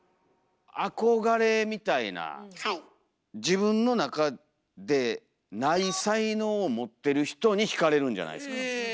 自分の中でない才能を持ってる人に惹かれるんじゃないですか？